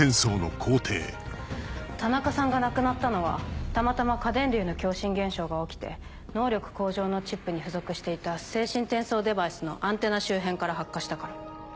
田中さんが亡くなったのはたまたま過電流の共振現象が起きて能力向上のチップに付属していた精神転送デバイスのアンテナ周辺から発火したから。